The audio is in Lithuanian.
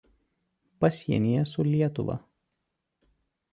Pasienyje su Lietuva.